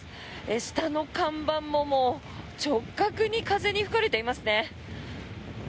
下の看板も直角に風に吹かれていますね。